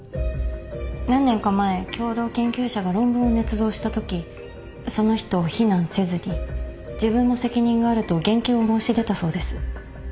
何年か前共同研究者が論文を捏造したときその人を非難せずに自分も責任があると減給を申し出たそうです。